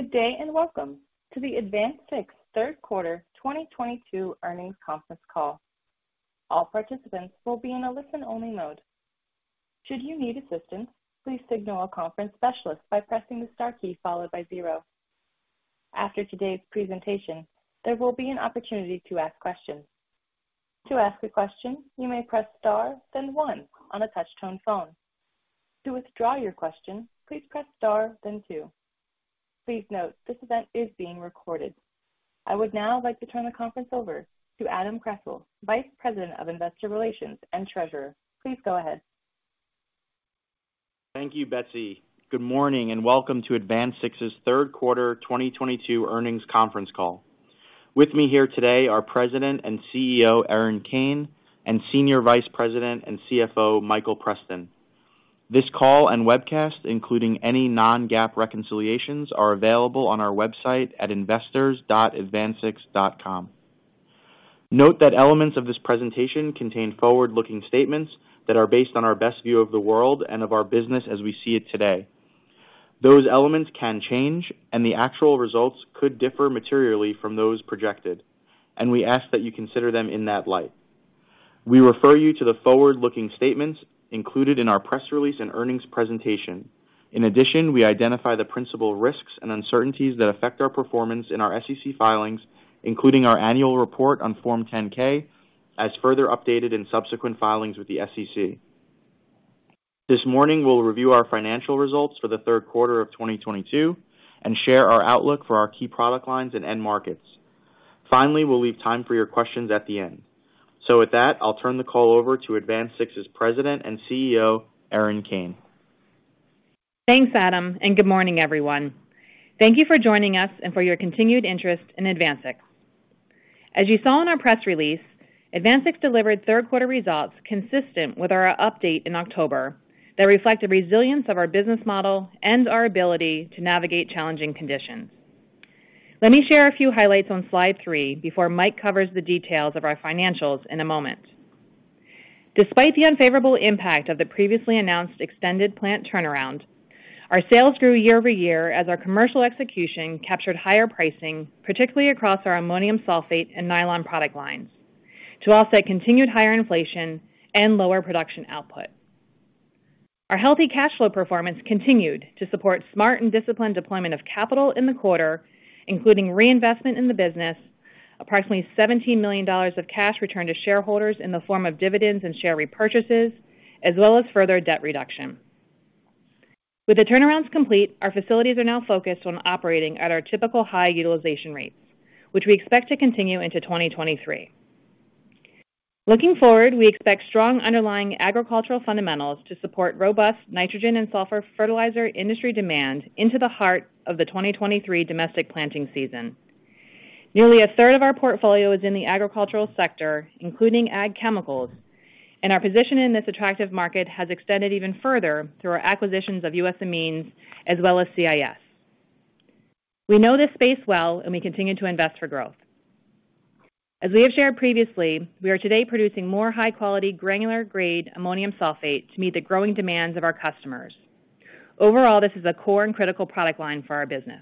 Good day, and welcome to the AdvanSix third quarter 2022 earnings conference call. All participants will be in a listen-only mode. Should you need assistance, please signal a conference specialist by pressing the star key followed by zero. After today's presentation, there will be an opportunity to ask questions. To ask a question, you may press star then one on a touch-tone phone. To withdraw your question, please press star then two. Please note this event is being recorded. I would now like to turn the conference over to Adam Kressel, Vice President of Investor Relations and Treasurer. Please go ahead. Thank you, Betsy. Good morning and welcome to AdvanSix's third quarter 2022 earnings conference call. With me here today are President and CEO Erin Kane, and Senior Vice President and CFO Michael Preston. This call and webcast, including any non-GAAP reconciliations, are available on our website at investors.advansix.com. Note that elements of this presentation contain forward-looking statements that are based on our best view of the world and of our business as we see it today. Those elements can change, and the actual results could differ materially from those projected, and we ask that you consider them in that light. We refer you to the forward-looking statements included in our press release and earnings presentation. In addition, we identify the principal risks and uncertainties that affect our performance in our SEC filings, including our annual report on Form 10-K, as further updated in subsequent filings with the SEC. This morning, we'll review our financial results for the third quarter of 2022 and share our outlook for our key product lines and end markets. Finally, we'll leave time for your questions at the end. With that, I'll turn the call over to AdvanSix's President and CEO, Erin Kane. Thanks, Adam, and good morning, everyone. Thank you for joining us and for your continued interest in AdvanSix. As you saw in our press release, AdvanSix delivered third quarter results consistent with our update in October that reflect the resilience of our business model and our ability to navigate challenging conditions. Let me share a few highlights on slide 3 before Mike covers the details of our financials in a moment. Despite the unfavorable impact of the previously announced extended plant turnaround, our sales grew year-over-year as our commercial execution captured higher pricing, particularly across our ammonium sulfate and nylon product lines, to offset continued higher inflation and lower production output. Our healthy cash flow performance continued to support smart and disciplined deployment of capital in the quarter, including reinvestment in the business, approximately $17 million of cash returned to shareholders in the form of dividends and share repurchases, as well as further debt reduction. With the turnarounds complete, our facilities are now focused on operating at our typical high utilization rates, which we expect to continue into 2023. Looking forward, we expect strong underlying agricultural fundamentals to support robust nitrogen and sulfur fertilizer industry demand into the heart of the 2023 domestic planting season. Nearly 1/3 of our portfolio is in the agricultural sector, including ag chemicals, and our position in this attractive market has extended even further through our acquisitions of US Amines as well as CIS. We know this space well, and we continue to invest for growth. As we have shared previously, we are today producing more high-quality granular grade ammonium sulfate to meet the growing demands of our customers. Overall, this is a core and critical product line for our business.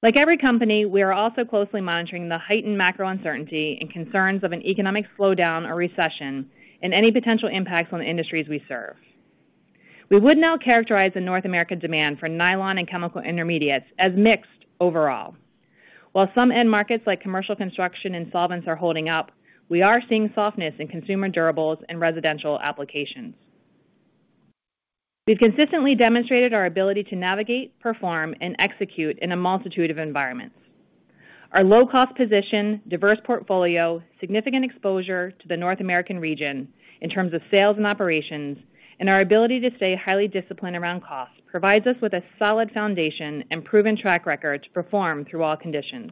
Like every company, we are also closely monitoring the heightened macro uncertainty and concerns of an economic slowdown or recession and any potential impacts on the industries we serve. We would now characterize the North American demand for nylon and chemical intermediates as mixed overall. While some end markets like commercial construction and solvents are holding up, we are seeing softness in consumer durables and residential applications. We've consistently demonstrated our ability to navigate, perform, and execute in a multitude of environments. Our low-cost position, diverse portfolio, significant exposure to the North American region in terms of sales and operations, and our ability to stay highly disciplined around cost provides us with a solid foundation and proven track record to perform through all conditions.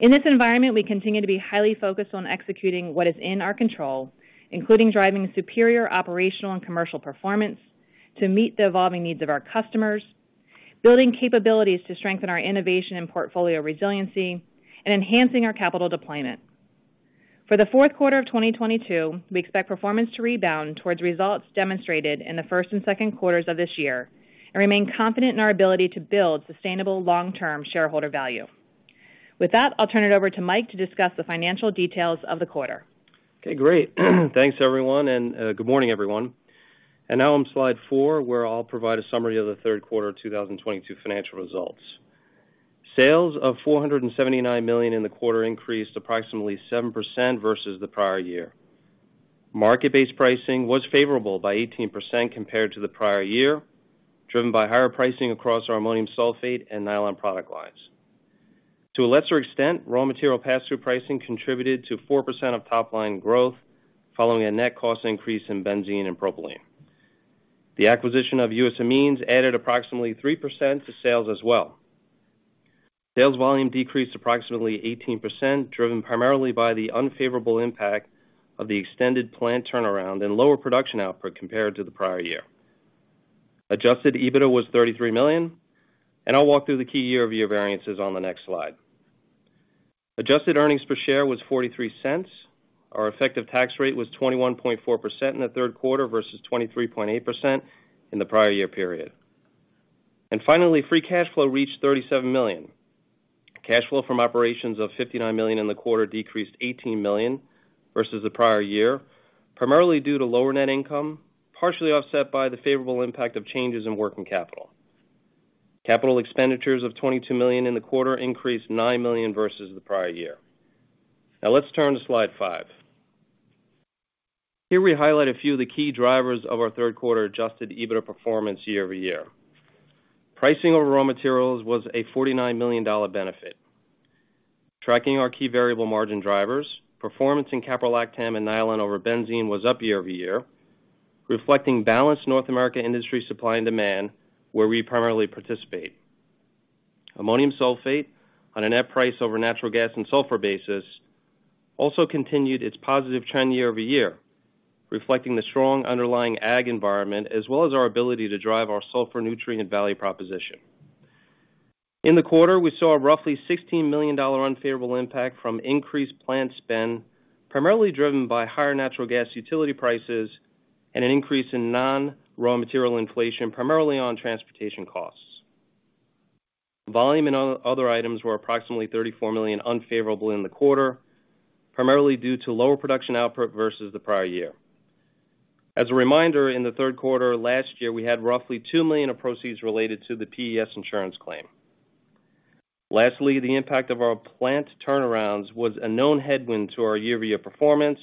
In this environment, we continue to be highly focused on executing what is in our control, including driving superior operational and commercial performance to meet the evolving needs of our customers, building capabilities to strengthen our innovation and portfolio resiliency, and enhancing our capital deployment. For the fourth quarter of 2022, we expect performance to rebound towards results demonstrated in the first and second quarters of this year, and remain confident in our ability to build sustainable long-term shareholder value. With that, I'll turn it over to Mike to discuss the financial details of the quarter. Okay, great. Thanks, everyone, and good morning, everyone. Now on slide 4, where I'll provide a summary of the third quarter of 2022 financial results. Sales of $479 million in the quarter increased approximately 7% versus the prior year. Market-based pricing was favorable by 18% compared to the prior year, driven by higher pricing across our ammonium sulfate and nylon product lines. To a lesser extent, raw material pass-through pricing contributed to 4% of top-line growth following a net cost increase in benzene and propylene. The acquisition of US Amines added approximately 3% to sales as well. Sales volume decreased approximately 18%, driven primarily by the unfavorable impact of the extended plant turnaround and lower production output compared to the prior year. Adjusted EBITDA was $33 million, and I'll walk through the key year-over-year variances on the next slide. Adjusted earnings per share was $0.43. Our effective tax rate was 21.4% in the third quarter versus 23.8% in the prior year period. Finally, free cash flow reached $37 million. Cash flow from operations of $59 million in the quarter decreased $18 million versus the prior year, primarily due to lower net income, partially offset by the favorable impact of changes in working capital. Capital expenditures of $22 million in the quarter increased $9 million versus the prior year. Now, let's turn to slide 5. Here we highlight a few of the key drivers of our third quarter adjusted EBITDA performance year-over-year. Pricing over raw materials was a $49 million benefit. Tracking our key variable margin drivers, performance in caprolactam and nylon over benzene was up year-over-year, reflecting balanced North America industry supply and demand, where we primarily participate. Ammonium sulfate on a net price over natural gas and sulfur basis also continued its positive trend year-over-year, reflecting the strong underlying ag environment as well as our ability to drive our sulfur nutrient value proposition. In the quarter, we saw a roughly $16 million unfavorable impact from increased plant spend, primarily driven by higher natural gas utility prices and an increase in non-raw material inflation, primarily on transportation costs. Volume and other items were approximately $34 million unfavorable in the quarter, primarily due to lower production output versus the prior year. As a reminder, in the third quarter last year, we had roughly $2 million of proceeds related to the PES insurance claim. Lastly, the impact of our plant turnarounds was a known headwind to our year-over-year performance,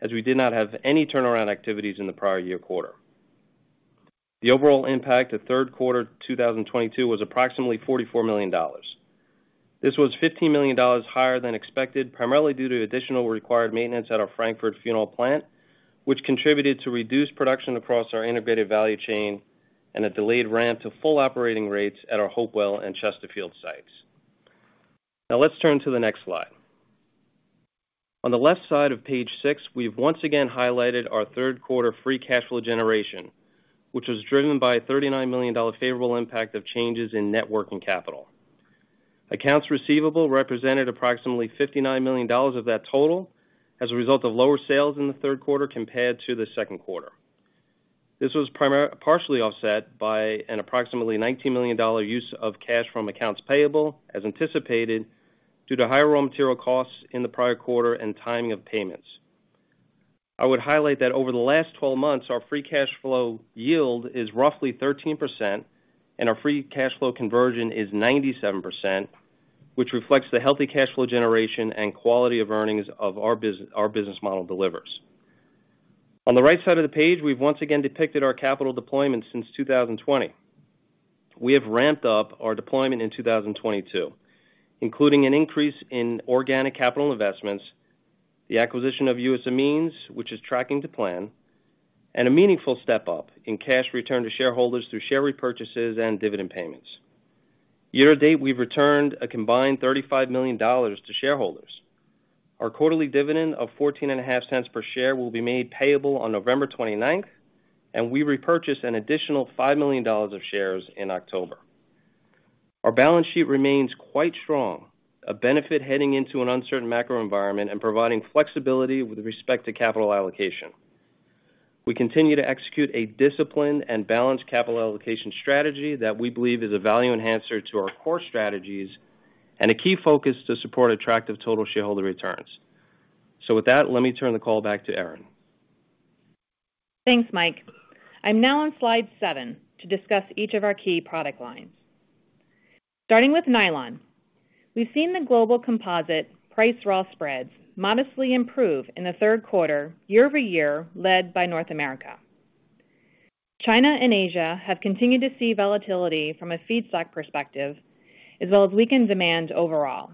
as we did not have any turnaround activities in the prior year quarter. The overall impact of third quarter 2022 was approximately $44 million. This was $15 million higher than expected, primarily due to additional required maintenance at our Frankford phenol plant, which contributed to reduced production across our integrated value chain and a delayed ramp to full operating rates at our Hopewell and Chesterfield sites. Now, let's turn to the next slide. On the left side of page 6, we've once again highlighted our third quarter free cash flow generation, which was driven by a $39 million favorable impact of changes in net working capital. Accounts receivable represented approximately $59 million of that total as a result of lower sales in the third quarter compared to the second quarter. This was partially offset by an approximately $19 million use of cash from accounts payable, as anticipated, due to higher raw material costs in the prior quarter and timing of payments. I would highlight that over the last 12 months, our free cash flow yield is roughly 13%, and our free cash flow conversion is 97%, which reflects the healthy cash flow generation and quality of earnings of our business model delivers. On the right side of the page, we've once again depicted our capital deployment since 2020. We have ramped up our deployment in 2022, including an increase in organic capital investments, the acquisition of US Amines, which is tracking to plan, and a meaningful step-up in cash return to shareholders through share repurchases and dividend payments. Year to date, we've returned a combined $35 million to shareholders. Our quarterly dividend of $0.145 per share will be made payable on November 29th, and we repurchased an additional $5 million of shares in October. Our balance sheet remains quite strong, a benefit heading into an uncertain macro environment and providing flexibility with respect to capital allocation. We continue to execute a disciplined and balanced capital allocation strategy that we believe is a value enhancer to our core strategies and a key focus to support attractive total shareholder returns. With that, let me turn the call back to Erin. Thanks, Mike. I'm now on slide 7 to discuss each of our key product lines. Starting with nylon, we've seen the global composite price raw spreads modestly improve in the third quarter year-over-year, led by North America. China and Asia have continued to see volatility from a feedstock perspective, as well as weakened demand overall.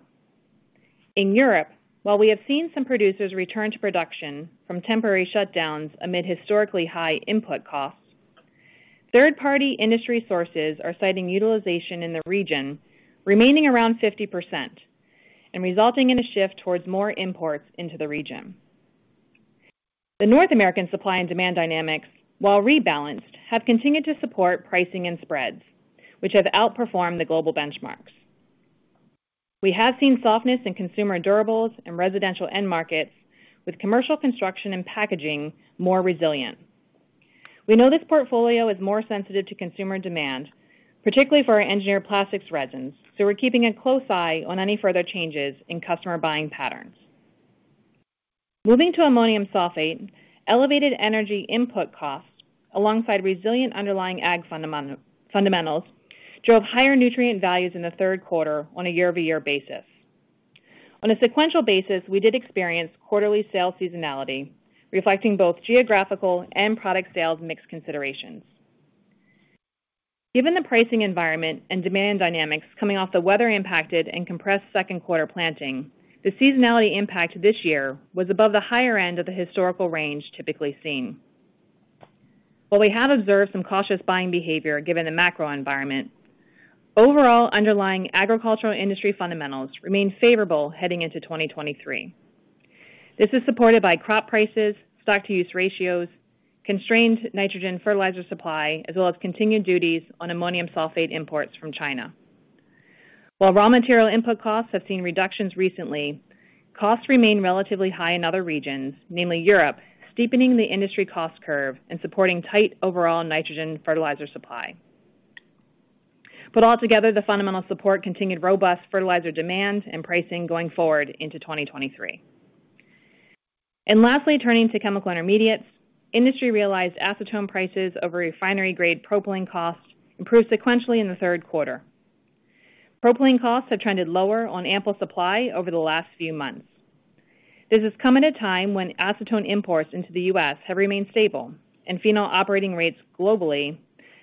In Europe, while we have seen some producers return to production from temporary shutdowns amid historically high input costs, third-party industry sources are citing utilization in the region remaining around 50%, and resulting in a shift towards more imports into the region. The North American supply and demand dynamics, while rebalanced, have continued to support pricing and spreads, which have outperformed the global benchmarks. We have seen softness in consumer durables and residential end markets, with commercial construction and packaging more resilient. We know this portfolio is more sensitive to consumer demand, particularly for our engineered plastics resins, so we're keeping a close eye on any further changes in customer buying patterns. Moving to ammonium sulfate, elevated energy input costs alongside resilient underlying ag fundamentals drove higher nutrient values in the third quarter on a year-over-year basis. On a sequential basis, we did experience quarterly sales seasonality, reflecting both geographical and product sales mix considerations. Given the pricing environment and demand dynamics coming off the weather-impacted and compressed second quarter planting, the seasonality impact this year was above the higher end of the historical range typically seen. While we have observed some cautious buying behavior given the macro environment, overall underlying agricultural industry fundamentals remain favorable heading into 2023. This is supported by crop prices, stock-to-use ratios, constrained nitrogen fertilizer supply, as well as continued duties on ammonium sulfate imports from China. While raw material input costs have seen reductions recently, costs remain relatively high in other regions, namely Europe, steepening the industry cost curve and supporting tight overall nitrogen fertilizer supply. Put all together, the fundamental support continued robust fertilizer demand and pricing going forward into 2023. Lastly, turning to chemical intermediates, industry-realized acetone prices over refinery-grade propylene costs improved sequentially in the third quarter. Propylene costs have trended lower on ample supply over the last few months. This has come at a time when acetone imports into the U.S. have remained stable, and phenol operating rates globally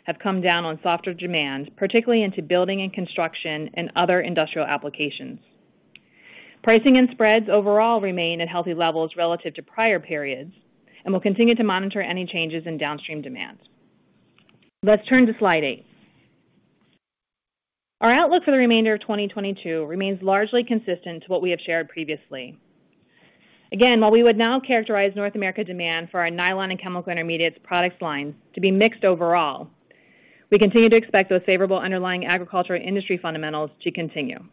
have come down on softer demand, particularly into building and construction and other industrial applications. Pricing and spreads overall remain at healthy levels relative to prior periods, and we'll continue to monitor any changes in downstream demand. Let's turn to slide 8. Our outlook for the remainder of 2022 remains largely consistent to what we have shared previously. Again, while we would now characterize North America demand for our nylon and chemical intermediates products line to be mixed overall, we continue to expect those favorable underlying agriculture industry fundamentals to continue.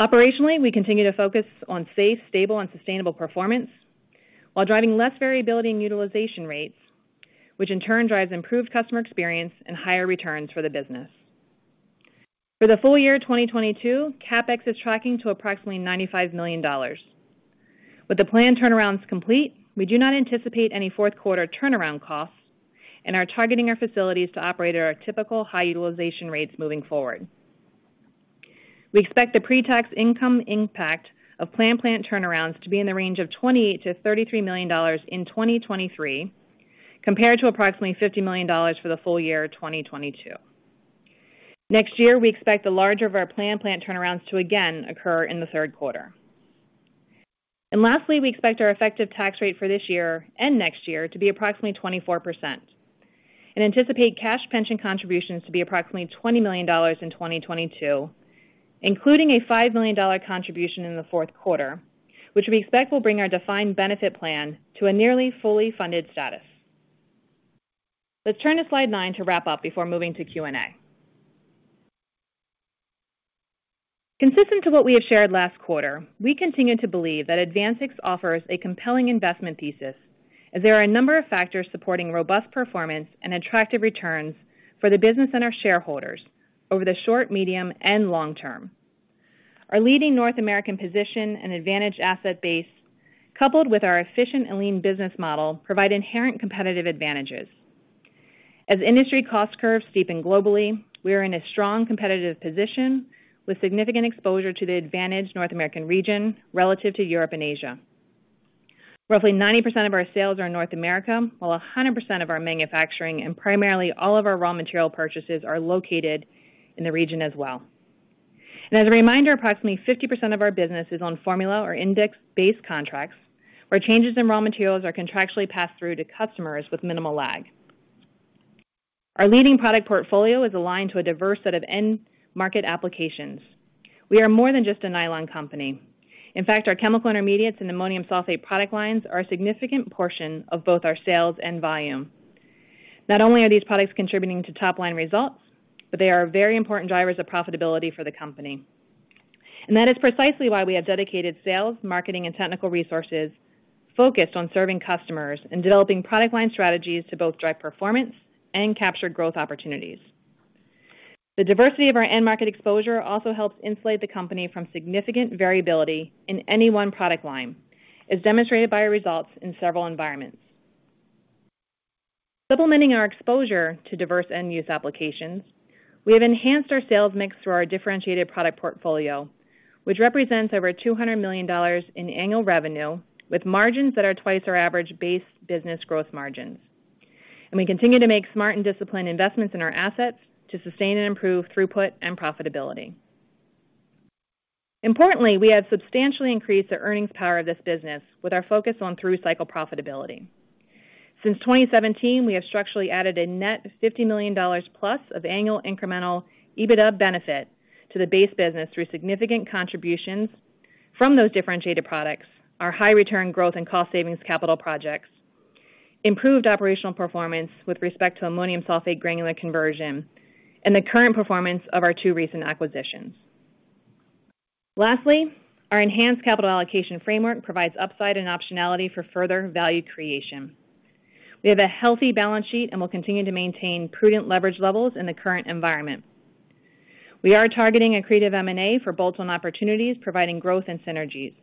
Operationally, we continue to focus on safe, stable, and sustainable performance while driving less variability in utilization rates, which in turn drives improved customer experience and higher returns for the business. For the full year 2022, CapEx is tracking to approximately $95 million. With the planned turnarounds complete, we do not anticipate any fourth quarter turnaround costs, and are targeting our facilities to operate at our typical high utilization rates moving forward. We expect the pre-tax income impact of planned plant turnarounds to be in the range of $28 million-$33 million in 2023, compared to approximately $50 million for the full year 2022. Next year, we expect the larger of our planned plant turnarounds to again occur in the third quarter. Lastly, we expect our effective tax rate for this year and next year to be approximately 24%, and anticipate cash pension contributions to be approximately $20 million in 2022, including a $5 million contribution in the fourth quarter, which we expect will bring our defined benefit plan to a nearly fully funded status. Let's turn to slide 9 to wrap up before moving to Q&A. Consistent to what we have shared last quarter, we continue to believe that AdvanSix offers a compelling investment thesis as there are a number of factors supporting robust performance and attractive returns for the business and our shareholders over the short, medium, and long term. Our leading North American position and advantaged asset base, coupled with our efficient and lean business model, provide inherent competitive advantages. As industry cost curves steepen globally, we are in a strong competitive position with significant exposure to the advantaged North American region relative to Europe and Asia. Roughly 90% of our sales are in North America, while 100% of our manufacturing and primarily all of our raw material purchases are located in the region as well. As a reminder, approximately 50% of our business is on formula or index-based contracts, where changes in raw materials are contractually passed through to customers with minimal lag. Our leading product portfolio is aligned to a diverse set of end-market applications. We are more than just a nylon company. In fact, our chemical intermediates and ammonium sulfate product lines are a significant portion of both our sales and volume. Not only are these products contributing to top-line results, but they are very important drivers of profitability for the company. That is precisely why we have dedicated sales, marketing, and technical resources focused on serving customers and developing product line strategies to both drive performance and capture growth opportunities. The diversity of our end market exposure also helps insulate the company from significant variability in any one product line, as demonstrated by our results in several environments. Supplementing our exposure to diverse end-use applications, we have enhanced our sales mix through our differentiated product portfolio, which represents over $200 million in annual revenue, with margins that are twice our average base business growth margins. We continue to make smart and disciplined investments in our assets to sustain and improve throughput and profitability. Importantly, we have substantially increased the earnings power of this business with our focus on through-cycle profitability. Since 2017, we have structurally added a net $50+ million of annual incremental EBITDA benefit to the base business through significant contributions from those differentiated products, our high-return growth and cost savings capital projects, improved operational performance with respect to ammonium sulfate granular conversion, and the current performance of our two recent acquisitions. Lastly, our enhanced capital allocation framework provides upside and optionality for further value creation. We have a healthy balance sheet and will continue to maintain prudent leverage levels in the current environment. We are targeting accretive M&A for bolt-on opportunities, providing growth and synergies.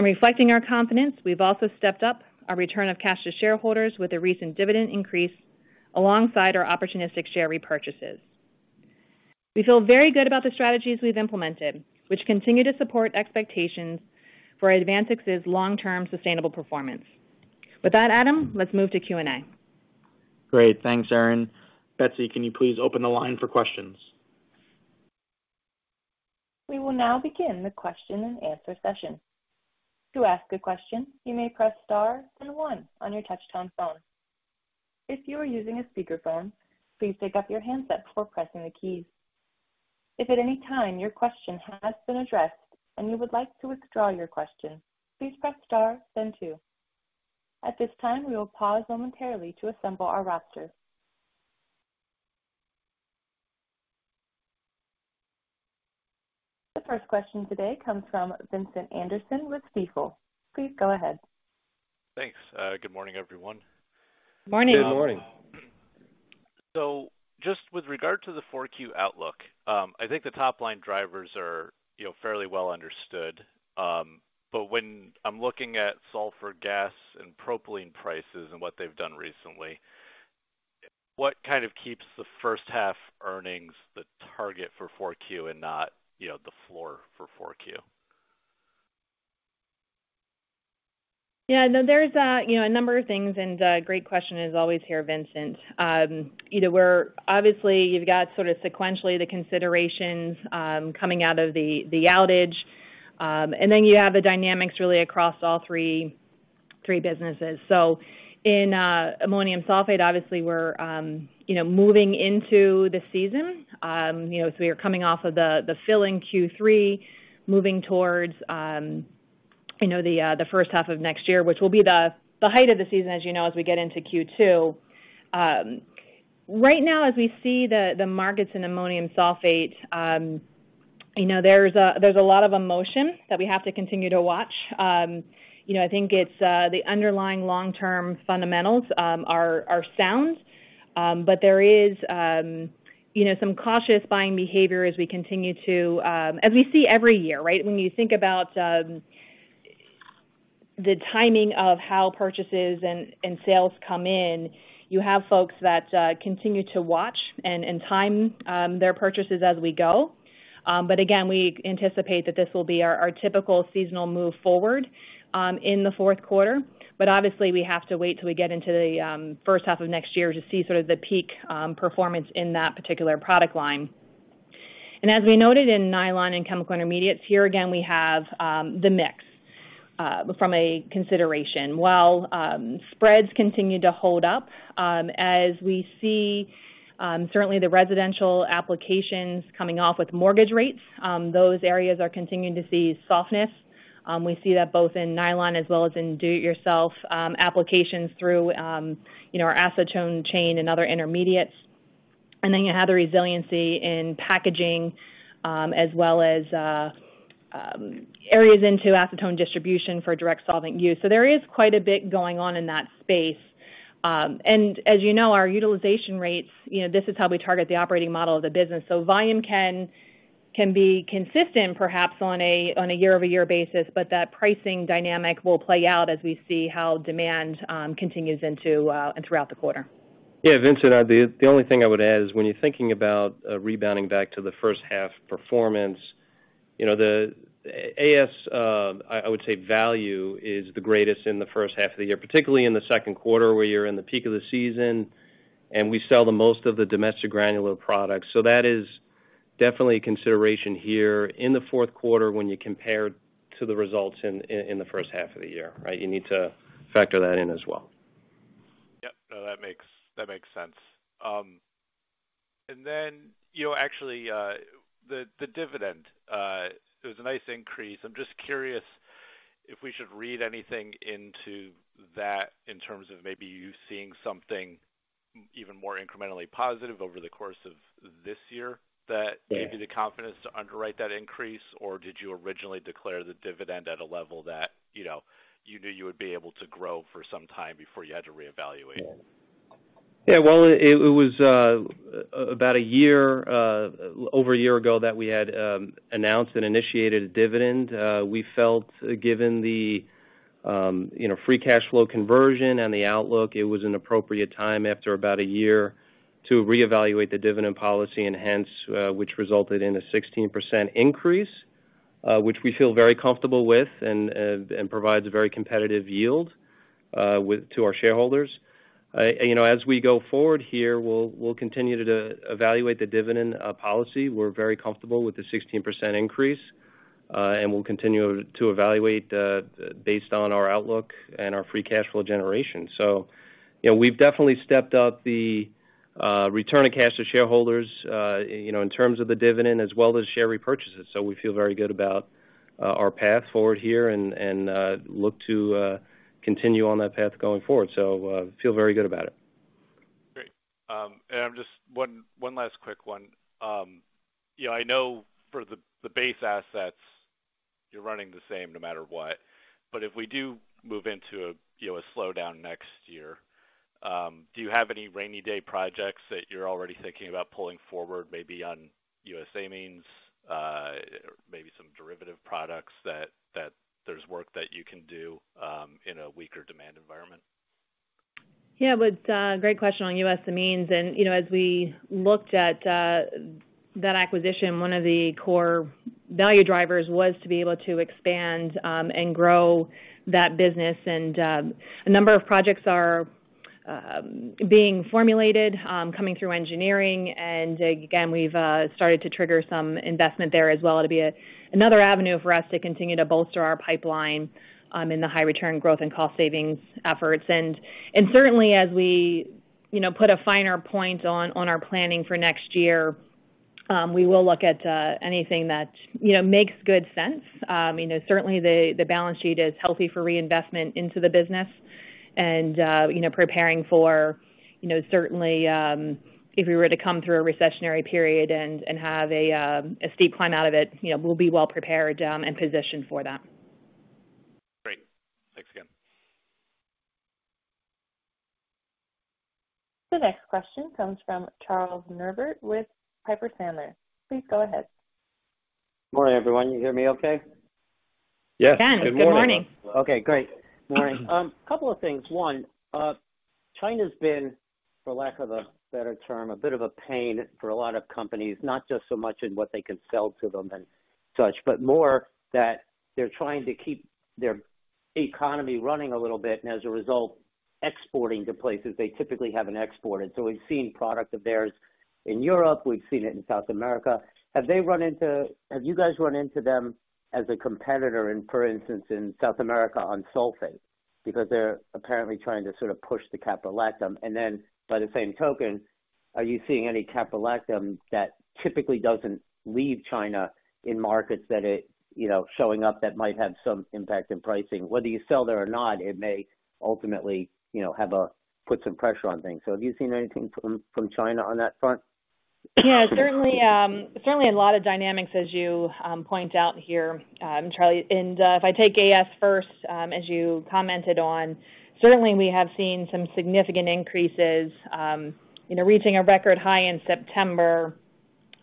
Reflecting our confidence, we've also stepped up our return of cash to shareholders with a recent dividend increase alongside our opportunistic share repurchases. We feel very good about the strategies we've implemented, which continue to support expectations for AdvanSix's long-term sustainable performance. With that, Adam, let's move to Q&A. Great. Thanks, Erin. Betsy, can you please open the line for questions? We will now begin the question-and-answer session. To ask a question, you may press star and one on your touch-tone phone. If you are using a speakerphone, please pick up your handset before pressing the keys. If at any time your question has been addressed and you would like to withdraw your question, please press star then two. At this time, we will pause momentarily to assemble our roster. The first question today comes from Vincent Anderson with Stifel. Please go ahead. Thanks. Good morning, everyone. Morning. Good morning. Just with regard to the 4Q outlook, I think the top-line drivers are, you know, fairly well understood. When I'm looking at sulfur gas and propylene prices and what they've done recently, what kind of keeps the first half earnings, the target for 4Q and not, you know, the floor for 4Q? Yeah, no, there's a number of things, and great question as always here, Vincent. You know, we're, obviously, you've got sort of sequentially the considerations coming out of the outage, and then you have the dynamics really across all three businesses. In ammonium sulfate, obviously, we're moving into the season. You know, so we are coming off of the fill in Q3, moving towards the first half of next year, which will be the height of the season as you know, as we get into Q2. Right now, as we see the markets in ammonium sulfate, you know, there's a lot of emotion that we have to continue to watch. You know, I think it's the underlying long-term fundamentals are sound. There is, you know, some cautious buying behavior as we see every year, right? When you think about the timing of how purchases and sales come in, you have folks that continue to watch and time their purchases as we go. Again, we anticipate that this will be our typical seasonal move forward in the fourth quarter. Obviously, we have to wait till we get into the first half of next year to see sort of the peak performance in that particular product line. As we noted in nylon and chemical intermediates here, again, we have the mix from a consideration. While spreads continue to hold up, as we see, certainly the residential applications coming off with mortgage rates, those areas are continuing to see softness. We see that both in nylon as well as in do-it-yourself applications through, you know, our acetone chain and other intermediates. You have the resiliency in packaging, as well as areas into acetone distribution for direct solvent use. There is quite a bit going on in that space. And, as you know, our utilization rates, you know, this is how we target the operating model of the business. Volume can be consistent perhaps on a year-over-year basis, but that pricing dynamic will play out as we see how demand continues into and throughout the quarter. Yeah, Vincent, the only thing I would add is when you're thinking about rebounding back to the first half performance, you know, the AS, I would say, value is the greatest in the first half of the year, particularly in the second quarter, where you're in the peak of the season and we sell the most of the domestic granular products. So, that is definitely a consideration here in the fourth quarter when you compare to the results in the first half of the year, right? You need to factor that in as well. Yep. No, that makes sense. You know, actually, the dividend, it was a nice increase. I'm just curious if we should read anything into that in terms of maybe you seeing something even more incrementally positive over the course of this year that gave you the confidence to underwrite that increase, or did you originally declare the dividend at a level that, you know, you knew you would be able to grow for some time before you had to reevaluate? Yeah. Well, it was over a year ago that we had announced and initiated a dividend. We felt given the, you know, free cash flow conversion and the outlook, it was an appropriate time after about a year to reevaluate the dividend policy and hence, which resulted in a 16% increase, which we feel very comfortable with and provides a very competitive yield to our shareholders. You know, as we go forward here, we'll continue to evaluate the dividend policy. We're very comfortable with the 16% increase, and we'll continue to evaluate based on our outlook and our free cash flow generation. You know, we've definitely stepped up the return of cash to shareholders, you know, in terms of the dividend as well as share repurchases. We feel very good about our path forward here and look to continue on that path going forward. Feel very good about it. Great. Just one last quick one. You know, I know for the base assets, you're running the same no matter what. If we do move into, you know, a slowdown next year, do you have any rainy day projects that you're already thinking about pulling forward maybe on US Amines, maybe some derivative products that there's work that you can do in a weaker demand environment? Yeah. With great question on US Amines. You know, as we looked at that acquisition, one of the core value drivers was to be able to expand and grow that business. A number of projects are being formulated coming through engineering. Again, we've started to trigger some investment there as well to be another avenue for us to continue to bolster our pipeline in the high return growth and cost savings efforts. Certainly as we, you know, put a finer point on our planning for next year. We will look at anything that, you know, makes good sense. You know, certainly the balance sheet is healthy for reinvestment into the business and, you know, preparing for, you know, certainly if we were to come through a recessionary period and have a steep climb out of it, you know, we'll be well prepared and positioned for that. Great. Thanks again. The next question comes from Charles Neivert with Piper Sandler. Please go ahead. Morning, everyone. You hear me okay? Yes. Yes. Good morning. Good morning. Okay, great. Morning. Couple of things. One, China's been, for lack of a better term, a bit of a pain for a lot of companies, not just so much in what they can sell to them and such, but more that they're trying to keep their economy running a little bit and, as a result, exporting to places they typically haven't exported. We've seen product of theirs in Europe, we've seen it in South America. Have you guys run into them as a competitor in, for instance, in South America on sulfate? Because they're apparently trying to sort of push the caprolactam. And then by the same token, are you seeing any caprolactam that typically doesn't leave China in markets that it, you know, showing up that might have some impact in pricing? Whether you sell there or not, it may ultimately, you know, have put some pressure on things. Have you seen anything from China on that front? Yeah, certainly a lot of dynamics as you point out here, Charlie. If I take AS first, as you commented on, certainly we have seen some significant increases, you know, reaching a record high in September.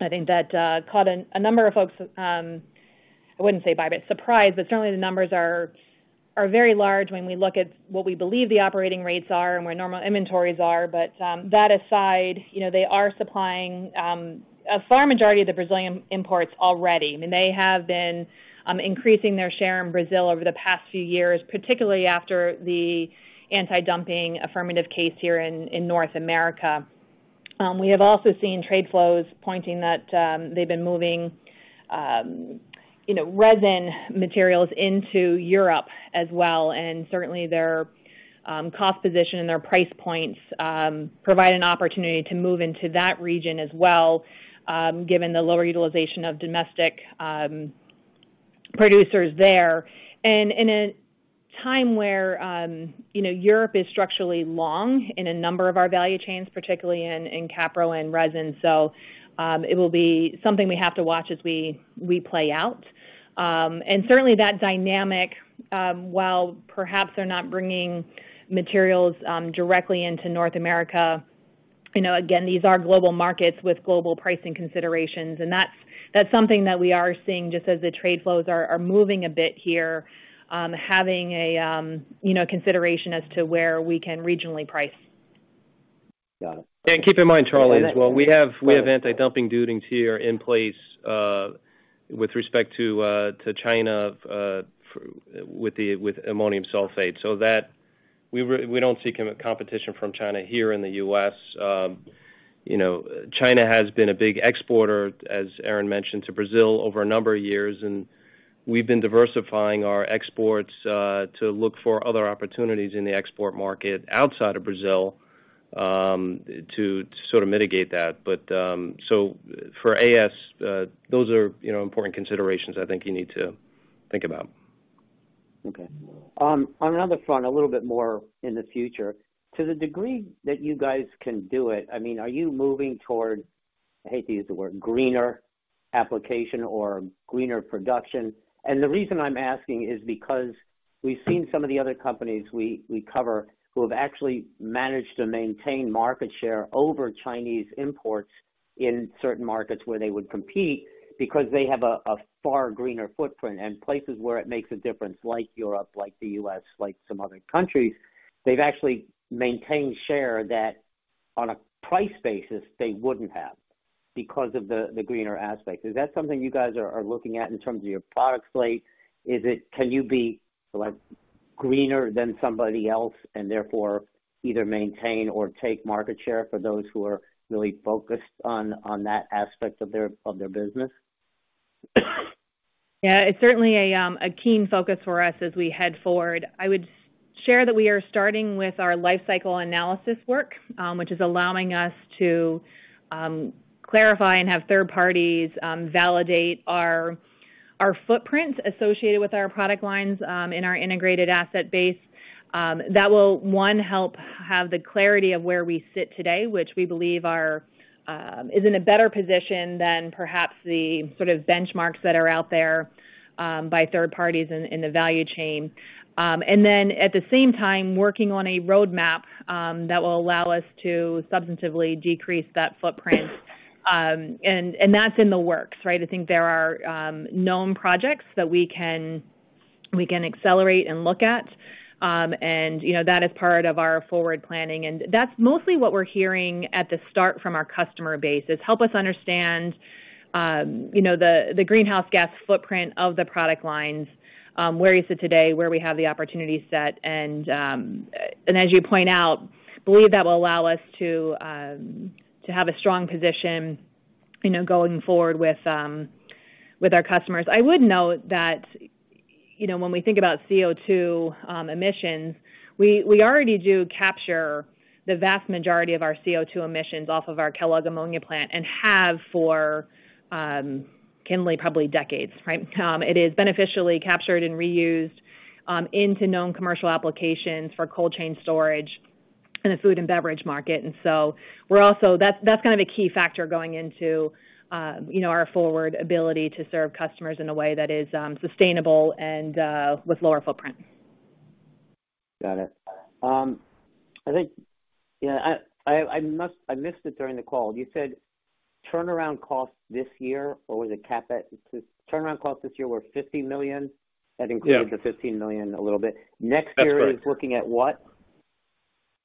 I think that caught a number of folks by surprise, but certainly the numbers are very large when we look at what we believe the operating rates are and where normal inventories are. That aside, you know, they are supplying a far majority of the Brazilian imports already. I mean, they have been increasing their share in Brazil over the past few years, particularly after the anti-dumping affirmative case here in North America. We have also seen trade flows pointing that, they've been moving, you know, resin materials into Europe as well, and certainly their cost position and their price points provide an opportunity to move into that region as well, given the lower utilization of domestic producers there. In a time where, you know, Europe is structurally long in a number of our value chains, particularly in capro and resin, it will be something we have to watch as we play out. Certainly that dynamic, while perhaps they're not bringing materials directly into North America, you know, again, these are global markets with global pricing considerations, and that's something that we are seeing just as the trade flows are moving a bit here, having a, you know, consideration as to where we can regionally price. Got it. Keep in mind, Charlie, as well, we have anti-dumping duties here in place with respect to China for ammonium sulfate. We don't seek competition from China here in the U.S. You know, China has been a big exporter, as Erin mentioned, to Brazil over a number of years, and we've been diversifying our exports to look for other opportunities in the export market outside of Brazil to sort of mitigate that. For AS, those are important considerations I think you need to think about. Okay. On another front, a little bit more in the future. To the degree that you guys can do it, I mean, are you moving toward, I hate to use the word, greener application or greener production? The reason I'm asking is because we've seen some of the other companies we cover who have actually managed to maintain market share over Chinese imports in certain markets where they would compete because they have a far greener footprint. Places where it makes a difference, like Europe, like the U.S., like some other countries, they've actually maintained share that, on a price basis, they wouldn't have because of the greener aspect. Is that something you guys are looking at in terms of your product slate? Can you be, like, greener than somebody else and therefore either maintain or take market share for those who are really focused on that aspect of their business? Yeah. It's certainly a keen focus for us as we head forward. I would share that we are starting with our lifecycle analysis work, which is allowing us to clarify and have third parties validate our footprints associated with our product lines in our integrated asset base. That will, one, help have the clarity of where we sit today, which we believe is in a better position than perhaps the sort of benchmarks that are out there by third parties in the value chain. Then, at the same time, working on a roadmap that will allow us to substantively decrease that footprint. And that's in the works, right? I think there are known projects that we can accelerate and look at. You know, that is part of our forward planning. That's mostly what we're hearing at the start from our customer base, is help us understand, you know, the greenhouse gas footprint of the product lines, where you sit today, where we have the opportunity set. As you point out, believe that will allow us to have a strong position, you know, going forward with our customers. I would note that. You know, when we think about CO₂ emissions, we already do capture the vast majority of our CO₂ emissions off of our Kellogg ammonia plant and have for Kenley probably decades, right? It is beneficially captured and reused into known commercial applications for cold chain storage in the food and beverage market. That's kind of a key factor going into, you know, our forward ability to serve customers in a way that is sustainable and with lower footprint. Got it. I think, you know, I missed it during the call. You said turnaround costs this year, or was it CapEx? Turnaround costs this year were $50 million. Yeah. That included the $15 million a little bit. That's right. Next year is looking at what?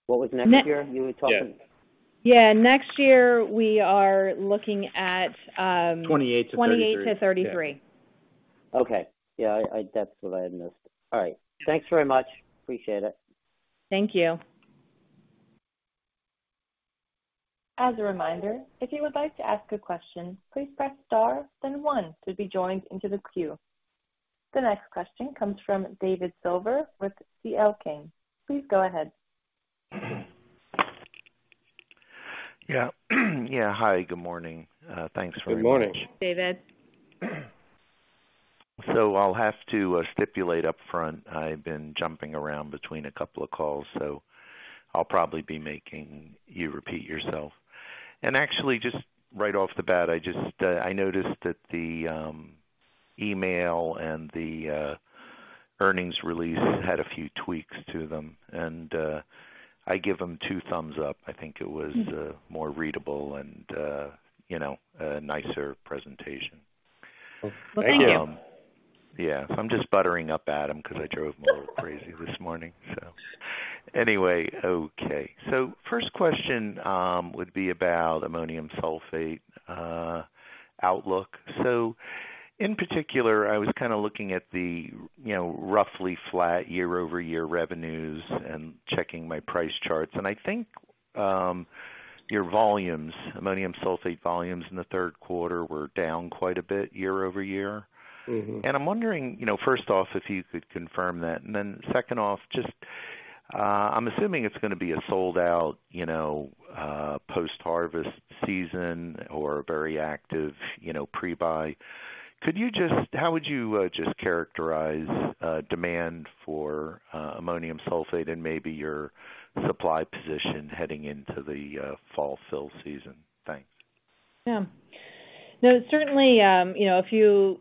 What was next year you were talking? Yeah. Yeah. Next year we are looking at- 28-33.... 28-33. Okay. Yeah, that's what I had missed. All right. Thanks very much. Appreciate it. Thank you. As a reminder, if you would like to ask a question, please press star then one to be joined into the queue. The next question comes from David Silver with C.L. King. Please go ahead. Yeah. Yeah. Hi, good morning. Thanks for... Good morning. Morning David. I'll have to stipulate upfront, I've been jumping around between a couple of calls, so I'll probably be making you repeat yourself. Actually just right off the bat, I just noticed that the email and the earnings release had a few tweaks to them, and I give them two thumbs up. I think it was more readable and you know, a nicer presentation. Well, thank you. Thank you. Yeah. I'm just buttering up Adam because I drove him crazy this morning. Anyway. Okay. First question would be about ammonium sulfate outlook. In particular, I was kind of looking at the, you know, roughly flat year-over-year revenues and checking my price charts. I think your volumes, ammonium sulfate volumes in the third quarter were down quite a bit year-over-year. Mm-hmm. I'm wondering, you know, first off, if you could confirm that. Then second off, just, I'm assuming it's gonna be a sold out, you know, post-harvest season or very active, you know, pre-buy. How would you just characterize demand for ammonium sulfate and maybe your supply position heading into the fall fill season? Thanks. Yeah. No, certainly, you know, a few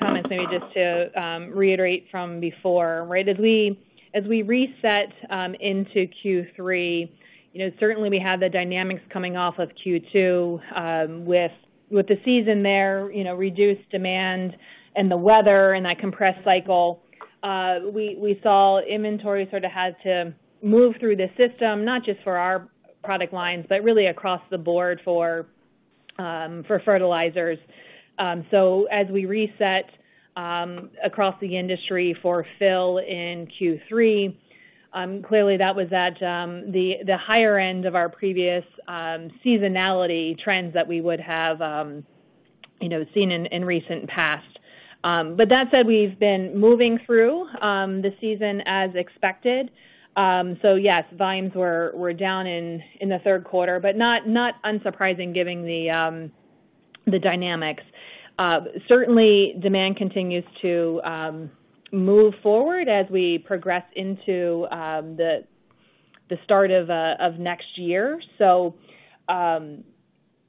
comments maybe just to reiterate from before, right? As we reset into Q3, you know, certainly we have the dynamics coming off of Q2, with the season there, you know, reduced demand and the weather and that compressed cycle. We saw inventory sort of had to move through the system, not just for our product lines, but really across the board for fertilizers. So, as we reset across the industry for filling Q3, clearly that was at the higher end of our previous seasonality trends that we would have seen in recent past. That said, we've been moving through the season as expected. Yes, volumes were down in the third quarter, but not unsurprising given the dynamics. Certainly demand continues to move forward as we progress into the start of next year.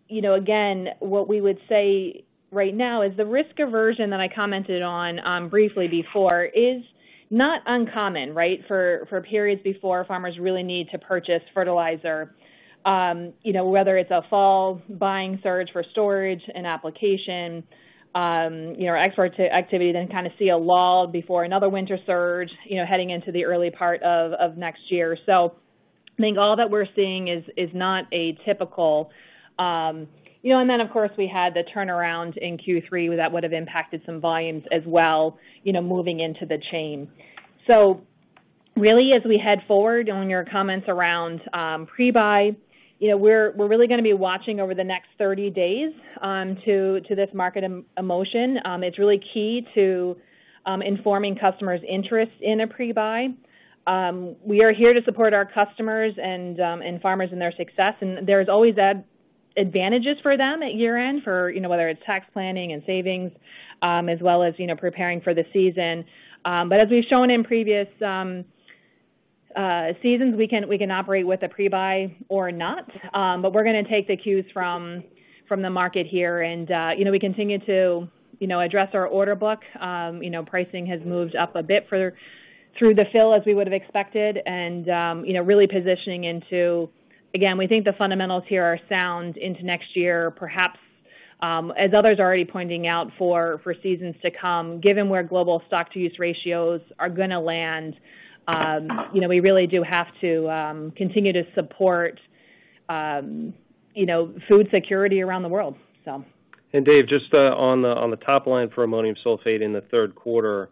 You know, again, what we would say right now is the risk aversion that I commented on briefly before is not uncommon, right? For periods before farmers really need to purchase fertilizer. You know, whether it's a fall buying surge for storage and application, you know, export activity, then kind of see a lull before another winter surge, you know, heading into the early part of next year. I think all that we're seeing is not atypical. You know, of course we had the turnaround in Q3 that would have impacted some volumes as well, you know, moving into the chain. Really as we head forward on your comments around pre-buy, you know, we're really gonna be watching over the next 30 days to this market emotion. It's really key to informing customers' interest in a pre-buy. We are here to support our customers and farmers in their success, and there's always advantages for them at year-end for, you know, whether it's tax planning and savings, as well as, you know, preparing for the season. As we've shown in previous seasons, we can operate with a pre-buy or not. We're gonna take the cues from the market here. You know, we continue to, you know, address our order book. You know, pricing has moved up a bit further through the fill as we would have expected and, you know, really positioning into again, we think the fundamentals here are sound into next year, perhaps, as others are already pointing out for seasons to come, given where global stock-to-use ratios are gonna land, you know, we really do have to continue to support, you know, food security around the world. David, just on the top line for ammonium sulfate in the third quarter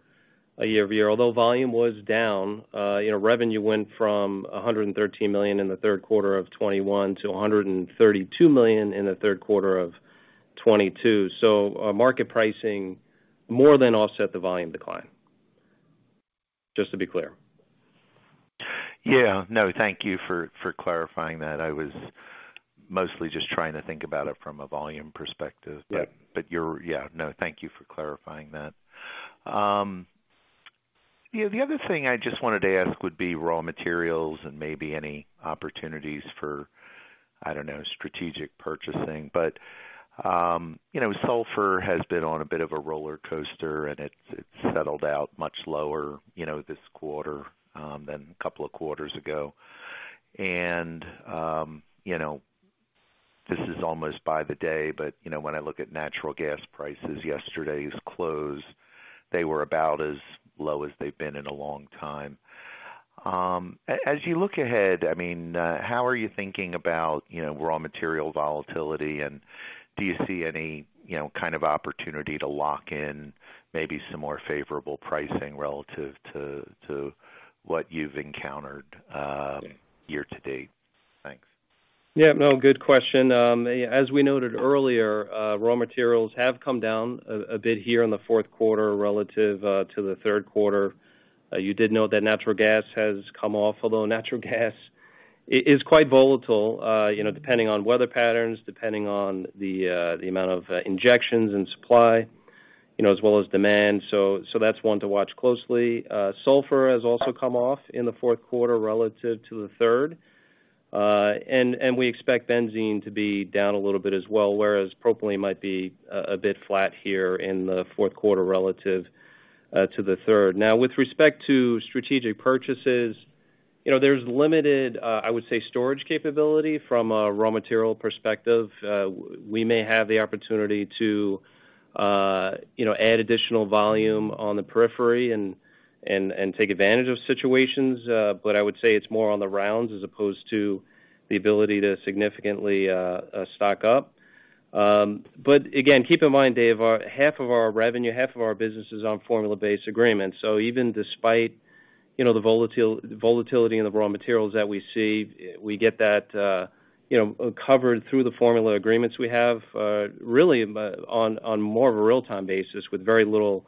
year-over-year, although volume was down, you know, revenue went from $113 million in the third quarter of 2021 to $132 million in the third quarter of 2022. Market pricing more than offset the volume decline, just to be clear. Yeah. No, thank you for clarifying that. I was mostly just trying to think about it from a volume perspective. Right. Yeah. No, thank you for clarifying that. Yeah, the other thing I just wanted to ask would be raw materials and maybe any opportunities for, I don't know, strategic purchasing. You know, sulfur has been on a bit of a roller coaster, and it's settled out much lower, you know, this quarter than a couple of quarters ago. You know, this is almost by the day, but you know, when I look at natural gas prices, yesterday's close, they were about as low as they've been in a long time. As you look ahead, I mean, how are you thinking about, you know, raw material volatility, and do you see any, you know, kind of opportunity to lock in maybe some more favorable pricing relative to what you've encountered year to date? Thanks. Yeah. No, good question. As we noted earlier, raw materials have come down a bit here in the fourth quarter relative to the third quarter. You did note that natural gas has come off, although natural gas is quite volatile, you know, depending on weather patterns, depending on the amount of injections and supply, you know, as well as demand. So that's one to watch closely. Sulfur has also come off in the fourth quarter relative to the third. And we expect benzene to be down a little bit as well, whereas propylene might be a bit flat here in the fourth quarter relative to the third. Now, with respect to strategic purchases, you know, there's limited, I would say storage capability from a raw material perspective. We may have the opportunity to, you know, add additional volume on the periphery and take advantage of situations, but I would say it's more on the rounds as opposed to the ability to significantly stock up. But again, keep in mind, Dave, 1/2 of our revenue, 1/2 of our business is on formula-based agreements. Even despite, you know, the volatility in the raw materials that we see, we get that, you know, covered through the formula agreements we have, really on more of a real-time basis with very little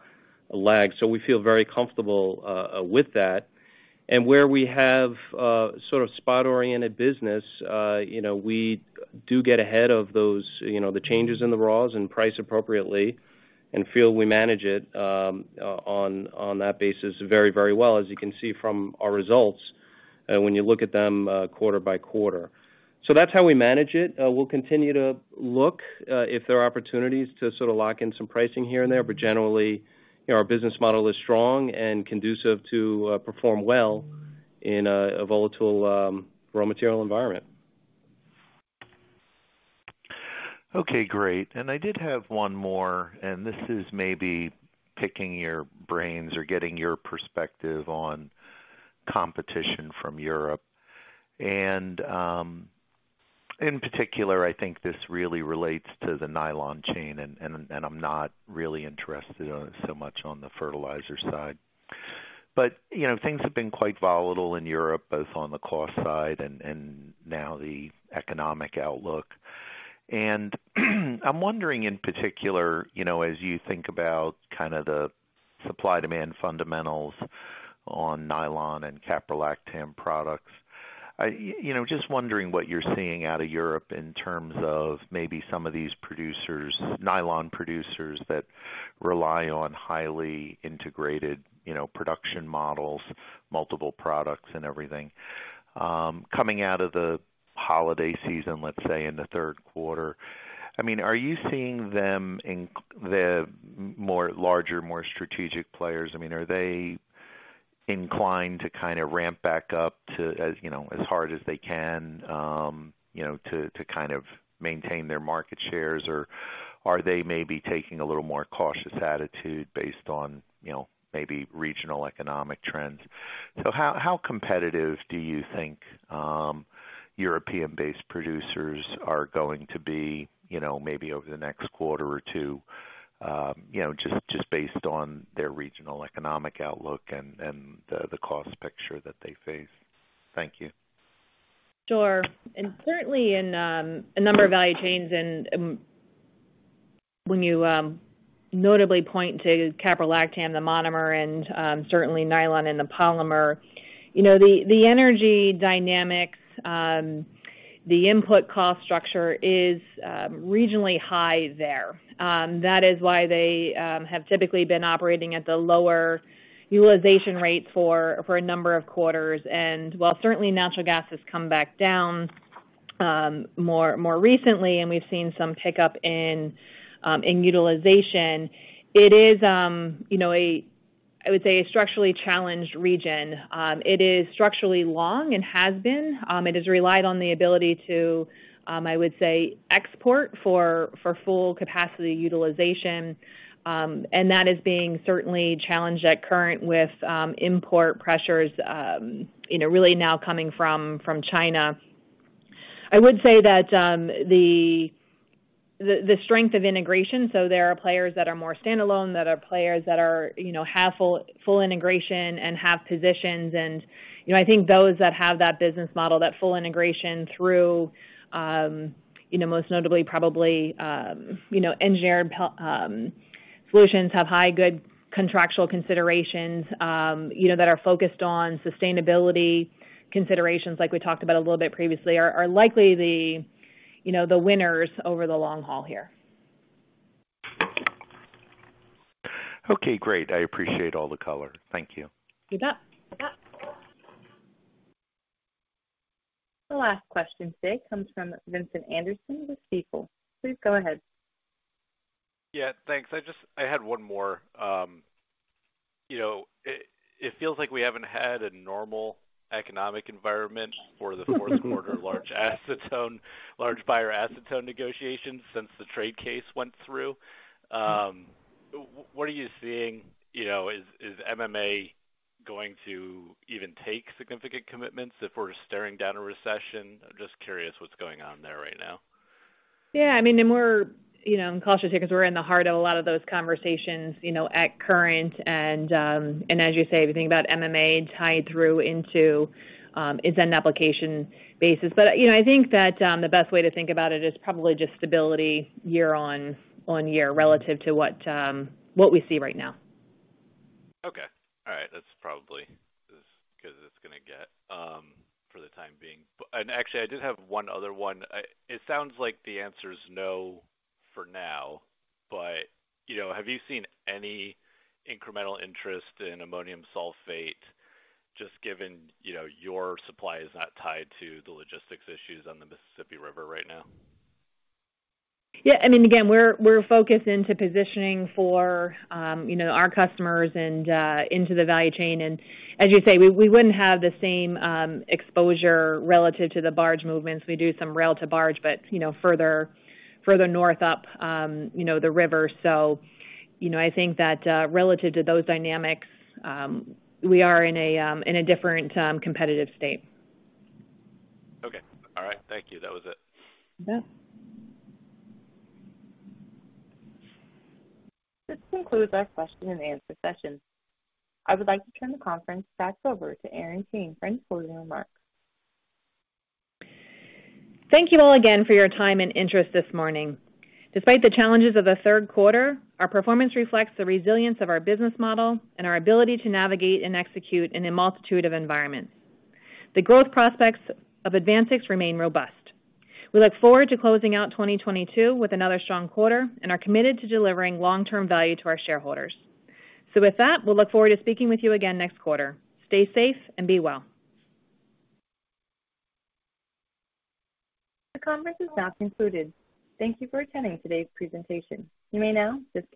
lag. We feel very comfortable with that. Where we have sort of spot-oriented business, you know, we do get ahead of those, you know, the changes in the raws and price appropriately and feel we manage it, on that basis, very, very well, as you can see from our results, when you look at them, quarter by quarter. That's how we manage it. We'll continue to look, if there are opportunities to sort of lock in some pricing here and there. Generally, you know, our business model is strong and conducive to perform well in a volatile raw material environment. Okay, great. I did have one more, and this is maybe picking your brains or getting your perspective on competition from Europe. In particular, I think this really relates to the nylon chain, and I'm not really interested so much on the fertilizer side. You know, things have been quite volatile in Europe, both on the cost side and now the economic outlook. I'm wondering in particular, you know, as you think about kind of the supply-demand fundamentals on nylon and caprolactam products, you know, just wondering what you're seeing out of Europe in terms of maybe some of these producers, nylon producers that rely on highly integrated, you know, production models, multiple products and everything. Coming out of the holiday season, let's say in the third quarter, I mean, are you seeing the larger, more strategic players? I mean, are they inclined to kind of ramp back up to, as you know, as hard as they can, you know, to kind of maintain their market shares? Or, are they maybe taking a little more cautious attitude based on, you know, maybe regional economic trends? How competitive do you think European-based producers are going to be, you know, maybe over the next quarter or two, you know, just based on their regional economic outlook and the cost picture that they face? Thank you. Sure. Certainly in a number of value chains and when you notably point to caprolactam, the monomer and certainly nylon and the polymer, you know, the energy dynamics, the input cost structure is regionally high there. That is why they have typically been operating at the lower utilization rate for a number of quarters. While certainly natural gas has come back down more recently and we've seen some pickup in utilization, it is, you know, a, I would say a structurally challenged region. It is structurally long and has been. It has relied on the ability to, I would say, export for full capacity utilization. That is being certainly challenged currently with import pressures, you know, really now coming from China. I would say that the strength of integration, so there are players that are more standalone, players that have full integration and have positions and, you know, I think those that have that business model, that full integration through, you know, most notably probably, you know, engineered plastics solutions have high, good contractual considerations, you know, that are focused on sustainability considerations like we talked about a little bit previously are likely the, you know, the winners over the long haul here. Okay, great. I appreciate all the color. Thank you. You bet. The last question today comes from Vincent Anderson with Stifel. Please go ahead. Yeah, thanks. I had one more. You know, it feels like we haven't had a normal economic environment for the fourth quarter, large acetone, large buyer acetone negotiations since the trade case went through. What are you seeing, you know? Is MMA going to even take significant commitments if we're staring down a recession? I'm just curious what's going on there right now. Yeah, I mean, we're, you know, I'm cautious here 'cause we're in the heart of a lot of those conversations, you know, currently. As you say, the thing about MMA tied through into its application basis. You know, I think that the best way to think about it is probably just stability year-over-year relative to what we see right now. Okay. All right. That's probably as good as it's gonna get for the time being. Actually, I did have one other one. It sounds like the answer is no for now, but you know, have you seen any incremental interest in ammonium sulfate just given you know, your supply is not tied to the logistics issues on the Mississippi River right now? Yeah, I mean, again, we're focused on positioning for, you know, our customers and in the value chain. As you say, we wouldn't have the same exposure relative to the barge movements. We do some rail to barge, but, you know, further north up the river. So, you know, I think that relative to those dynamics, we are in a different competitive state. Okay. All right. Thank you. That was it. Yeah. This concludes our question and answer session. I would like to turn the conference back over to Erin Kane for any closing remarks. Thank you all again for your time and interest this morning. Despite the challenges of the third quarter, our performance reflects the resilience of our business model and our ability to navigate and execute in a multitudinous environment. The growth prospects of AdvanSix remain robust. We look forward to closing out 2022 with another strong quarter and are committed to delivering long-term value to our shareholders. With that, we'll look forward to speaking with you again next quarter. Stay safe and be well. The conference is now concluded. Thank you for attending today's presentation. You may now disconnect.